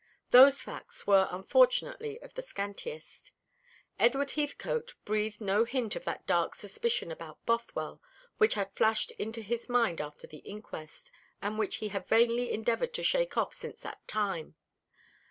Those facts were unfortunately of the scantiest. Edward Heathcote breathed no hint of that dark suspicion about Bothwell which had flashed into his mind after the inquest, and which he had vainly endeavoured to shake off since that time.